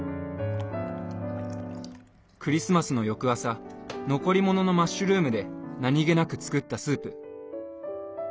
クリスマスの翌朝残り物のマッシュルームで何気なく作ったスープ。